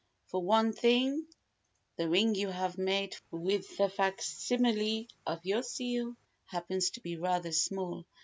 For one thing, the ring you had made for him with the facsimile of your seal happens to be rather small.